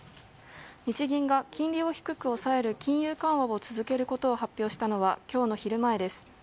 日銀が金利を低く抑える金融緩和を続けることが発表したのは今日の昼前です。